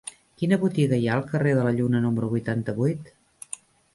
Quina botiga hi ha al carrer de la Lluna número vuitanta-vuit?